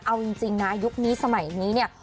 เอาจริงนะยุคนี้สมัยนี้เนี่ย